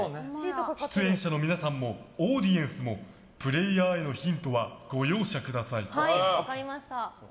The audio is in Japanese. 出演者の皆さんもオーディエンスの皆さんもプレーヤーへのヒントはご容赦ください。